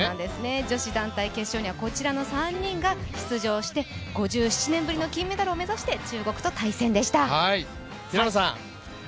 女子団体決勝にはこちらの３人が出場して５７年ぶりの金メダルを目指して中国と対戦でした。